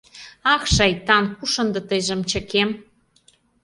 Ах, шайтан, куш ынде тыйжым чыкем!